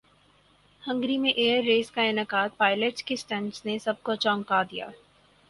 Hungary میں air race کا انعقادپائلٹس کے سٹنٹس نے سب کو چونکا دیا